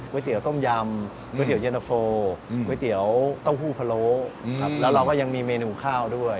เตี๋ยวต้มยำก๋วยเตี๋ยันตะโฟก๋วยเตี๋ยวเต้าหู้พะโล้แล้วเราก็ยังมีเมนูข้าวด้วย